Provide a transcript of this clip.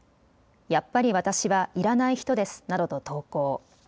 やっぱり私は要らない人ですなどと投稿。